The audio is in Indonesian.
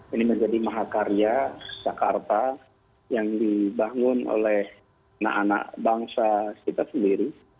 ini menjadi mahakarya jakarta yang dibangun oleh anak anak bangsa kita sendiri